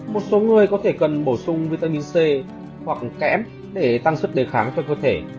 một số người có thể cần bổ sung vitamin c hoặc kẽm để tăng sức đề kháng cho cơ thể